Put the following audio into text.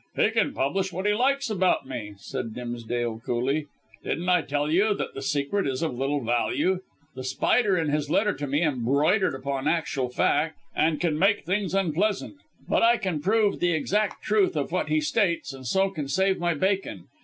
"He can publish what he likes about me," said Mr. Dimsdale coolly; "don't I tell you that the secret is of little value. The Spider in his letter to me embroidered upon actual fact, and can make things unpleasant; but I can prove the exact truth of what he states, and so can save my bacon.